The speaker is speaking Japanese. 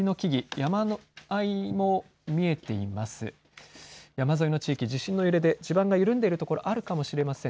山沿いの地域、地震の揺れで地盤が緩んでいるところ、あるかもしれません。